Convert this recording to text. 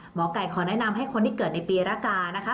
หมอไก่ขอแนะนำให้คนที่เกิดในปีรกานะคะ